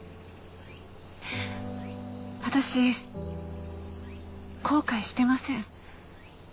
私後悔してません。